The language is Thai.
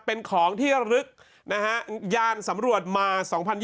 เป็นของที่ลึกนะฮะยานสำรวจมา๒๐๒๐